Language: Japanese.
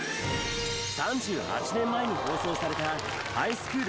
３８年前に放送された『ハイスクール！